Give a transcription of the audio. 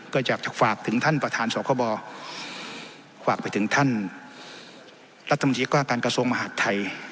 ก็อยากจะฝากถึงท่านประธานสคบฝากไปถึงท่านรัฐมนตรีว่าการกระทรวงมหาดไทย